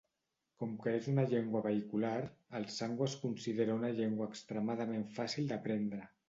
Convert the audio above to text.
Com que és una llengua vehicular, el sango es considera una llengua extremadament fàcil d'aprendre.